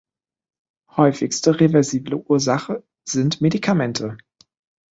Häufigste reversible Ursache sind Medikamente.